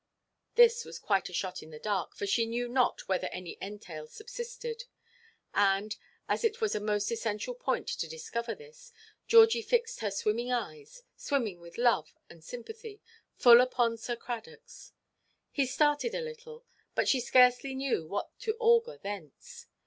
This was quite a shot in the dark, for she knew not whether any entail subsisted; and, as it was a most essential point to discover this, Georgie fixed her swimming eyes—swimming with love and sympathy—full upon poor Sir Cradockʼs. He started a little, but she scarcely knew what to augur thence.